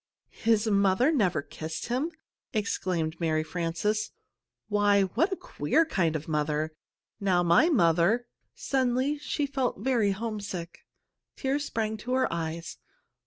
"His mother never kissed him!" exclaimed Mary Frances. "Why, what a queer kind of mother! Now my mother " Suddenly she felt very homesick. Tears sprang to her eyes.